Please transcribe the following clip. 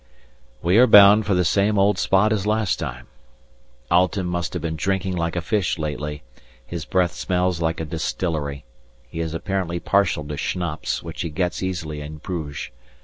_ We are bound for the same old spot as last time. Alten must have been drinking like a fish lately; his breath smells like a distillery; he is apparently partial to schnapps, which he gets easily in Bruges.